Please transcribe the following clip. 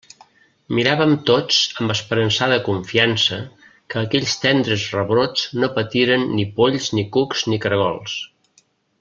Miràvem tots amb esperançada confiança que aquells tendres rebrots no patiren ni polls ni cucs ni caragols.